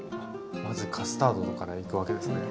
まずカスタードからいくわけですね。